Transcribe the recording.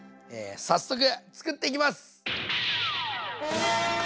早速つくっていきます！